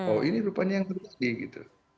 oh ini rupanya yang terjadi gitu